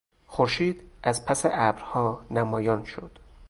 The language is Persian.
خورشید از پس ابرها نمایان شد.